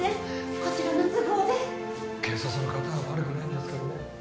こちらの都合で警察の方は悪くないんですけどね